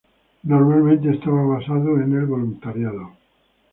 Normalmente, está basado en el voluntariado.